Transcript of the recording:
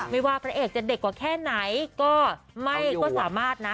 ไม่ว่าพระเอกจะเด็กกว่าแค่ไหนก็ไม่ก็สามารถนะ